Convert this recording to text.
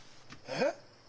えっ！？